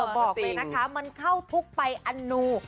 บอกเลยนะคะมันเข้าทุกปัญญาณู